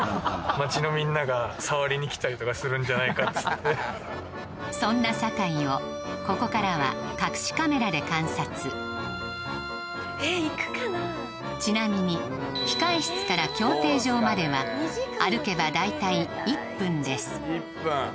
街のみんなが触りに来たりとかするんじゃないかっつってそんな酒井をここからは隠しカメラで観察ちなみに控室から競艇場までは歩けば大体１分です